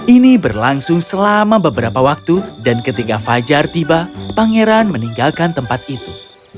ini berlangsung selama beberapa waktu dan ketika fajar tiba pangeran meninggalkan tempat itu